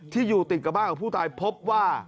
ที่อยู่ติดกับบ้านของผู้ตายพบว่า